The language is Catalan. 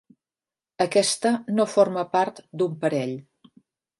Aquesta no forma part d'un parell.